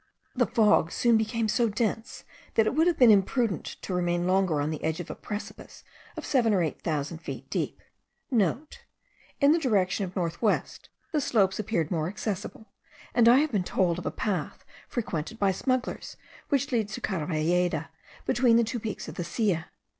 This fog soon became so dense that it would have been imprudent to remain longer on the edge of a precipice of seven or eight thousand feet deep.* (* In the direction of north west the slopes appear more accessible; and I have been told of a path frequented by smugglers, which leads to Caravalleda, between the two peaks of the Silla.